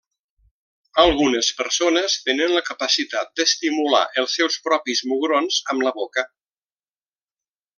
Algunes persones tenen la capacitat d'estimular els seus propis mugrons amb la boca.